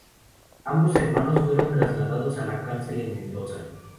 Ambos hermanos fueron trasladados a la cárcel en Mendoza.